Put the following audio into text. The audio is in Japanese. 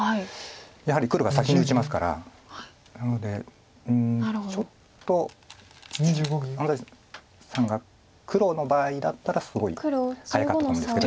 やはり黒が先に打ちますからなのでちょっと安斎さんが黒の場合だったらすごい早かったと思うんですけど。